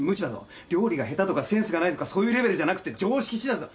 料理が下手とかセンスがないとかそういうレベルじゃなくて常識知らずだ。